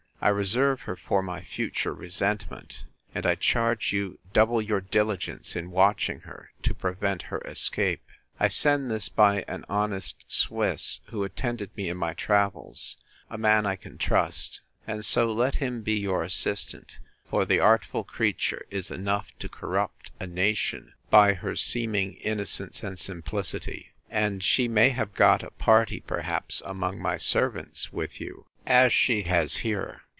I reserve her for my future resentment; and I charge you double your diligence in watching her, to prevent her escape. I send this by an honest Swiss, who attended me in my travels; a man I can trust; and so let him be your assistant: for the artful creature is enough to corrupt a nation by her seeming innocence and simplicity; and she may have got a party, perhaps, among my servants with you, as she has here.